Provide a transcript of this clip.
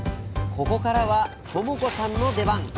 ここからは友子さんの出番。